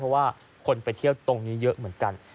เพราะว่าคนไปเที่ยวตรงนี้เยอะเหมือนกัน